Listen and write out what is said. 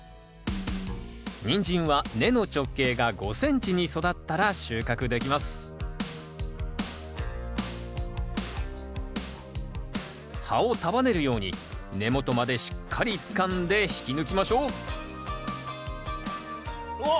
ニンジンは根の直径が５ｃｍに育ったら収穫できます葉を束ねるように根元までしっかりつかんで引き抜きましょううわっ。